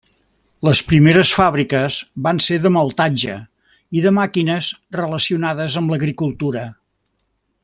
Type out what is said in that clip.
Les primeres fàbriques van ser de maltatge i de màquines relacionades amb l'agricultura.